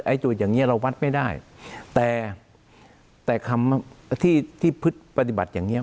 ไอ้จุดอย่างนี้เราวัดไม่ได้แต่คำที่ผิดปฏิบัติอย่างนี้